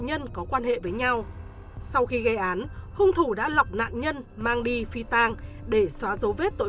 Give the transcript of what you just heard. nhân liên hệ với nhau sau khi gây án hung thủ đã lọc nạn nhân mang đi phi tan để xóa dấu vết tội